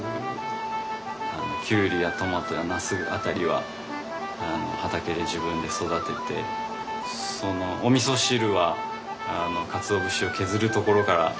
キュウリやトマトやナス辺りは畑で自分で育てておみそ汁はかつお節を削るところからさせられたり。